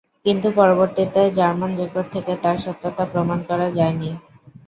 কিন্তু পরবর্তীতে German record থেকে তার সত্যতা প্রমাণ করা যায়নি।